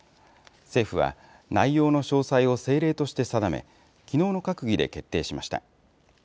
政府は内容の詳細を政令として定め、きのうの閣議で決定しました。